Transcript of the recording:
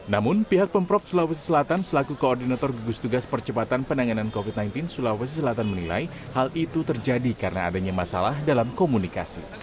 namun pihak pemprov sulawesi selatan selaku koordinator gugus tugas percepatan penanganan covid sembilan belas sulawesi selatan menilai hal itu terjadi karena adanya masalah dalam komunikasi